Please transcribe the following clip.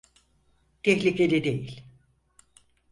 Tehlikeli değil.